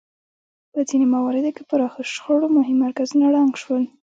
په ځینو مواردو کې پراخو شخړو مهم مرکزونه ړنګ شول.